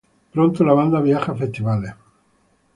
Pronto la banda viaja a festivales.